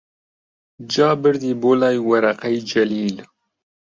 جا بردی بۆلای وەرەقەی جەلیل